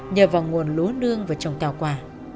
nhờ vào nguồn lúa nương và trồng thảo quả